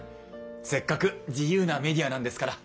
せっかく自由なメディアなんですから。